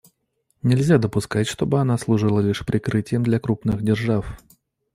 Нельзя допускать, чтобы она служила лишь прикрытием для крупных держав.